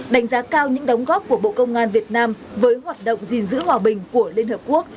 đánh giá cao những đóng góp của bộ công an việt nam với hoạt động gìn giữ hòa bình của liên hợp quốc